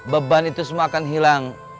beban itu semua akan hilang